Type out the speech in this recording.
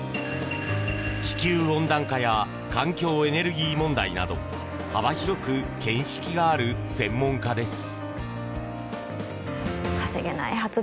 地球温暖化や環境エネルギー問題など幅広く見識がある専門家です。